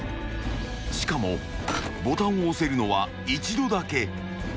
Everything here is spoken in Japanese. ［しかもボタンを押せるのは一度だけ］